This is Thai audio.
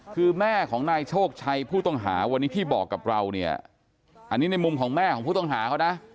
คือแม่ของนายโชคชัยผู้ต้องหาวันนี้ที่บอกกับเราเนี่ยอันนี้ในมุมของแม่ของผู้ต้องหาเขานะ